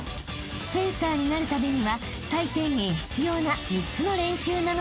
［フェンサーになるためには最低限必要な３つの練習なのだとか］